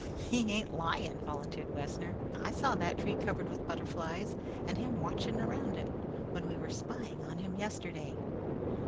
"He ain't lying," volunteered Wessner. "I saw that tree covered with butterflies and him watching around it when we were spying on him yesterday."